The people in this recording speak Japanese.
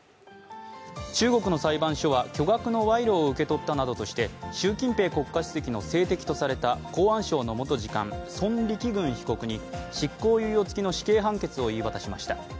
中国の裁判所は巨額の賄賂を受け取ったなどとして習近平国家主席の政敵とされた公安省の元次官、孫力軍被告に執行猶予付きの死刑判決を言い渡しました。